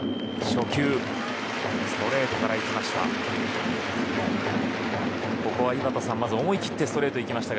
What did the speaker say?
初球はストレートからいきました。